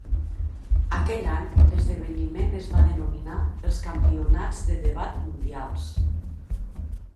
Aquell any, l'esdeveniment es va denominar els Campionats de Debat Mundials.